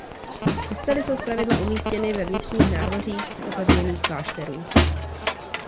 Kostely jsou zpravidla umístěny ve vnitřním nádvoří opevněných klášterů.